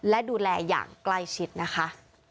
และดูแลอย่างใกล้ชิดนะคะ